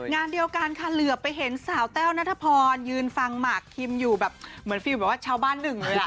งานเดียวกันค่ะเหลือไปเห็นสาวแต้วนัทพรยืนฟังหมากคิมอยู่แบบเหมือนฟิลแบบว่าชาวบ้านหนึ่งเลยล่ะ